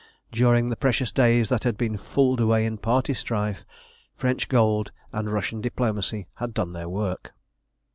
During the precious days that had been fooled away in party strife, French gold and Russian diplomacy had done their work.